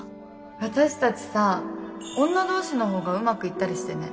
私たちさ女同士の方がうまくいったりしてね。